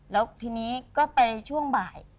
แล้วทีนี้ก็ไปช่วงบ่าย